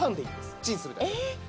チンするだけで。